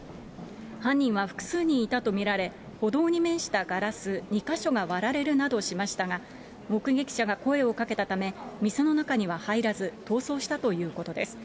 犯人は複数人いたと見られ、歩道に面したガラス２か所が割られるなどしましたが、目撃者が声をかけたため、店の中には入らず、逃走したということです。